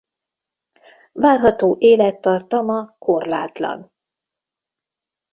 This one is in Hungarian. Várható élettartama korlátlan!